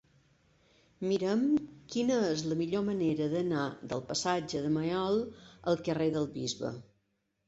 Mira'm quina és la millor manera d'anar del passatge de Maiol al carrer del Bisbe.